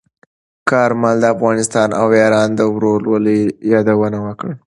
کارمل د افغانستان او ایران د ورورولۍ یادونه وکړه.